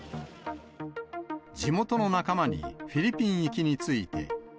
地元の仲間に、フィリピン行きについて。